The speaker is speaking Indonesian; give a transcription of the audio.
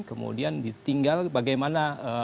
kemudian ditinggal bagaimana